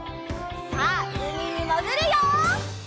さあうみにもぐるよ！